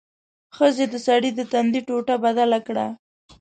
ښځې د سړي د تندي ټوټه بدله کړه.